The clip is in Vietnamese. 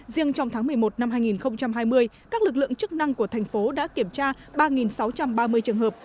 riêng trong tháng một mươi một năm hai nghìn hai mươi các lực lượng chức năng của thành phố đã kiểm tra ba sáu trăm ba mươi trường hợp